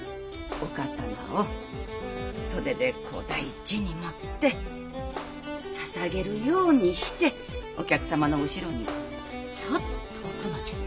お刀を袖でこう大事に持ってささげるようにしてお客様の後ろにそっと置くのじゃ。